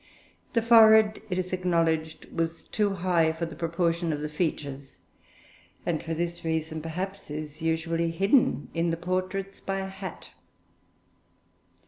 The forehead, it is acknowledged, was too high for the proportion of the features, and for this reason, perhaps, is usually hidden in the portraits by a hat.